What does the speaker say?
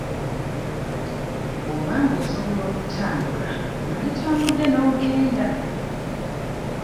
Bw'oba nga osobola okutambula wanditambudde n'ogenda.